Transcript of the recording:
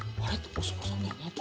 お相撲さんだよね？